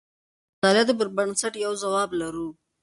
د مطالعاتو پر بنسټ یو ځواب لرو.